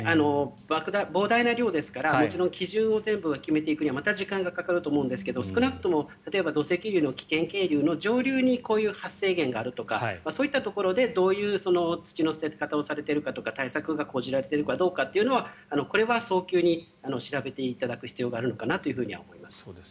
膨大な量ですから基準を全部決めていくにはまた時間がかかると思いますが少なくとも土石流の危険な場所の上流にこういう発生源があるとかそういったところでどういう土の捨て方をされているか対策が講じられているかどうかはこれは早急に調べていただく必要があるのかなと思います。